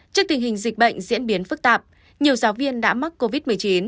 trước tình hình dịch bệnh diễn biến phức tạp nhiều giáo viên đã mắc covid một mươi chín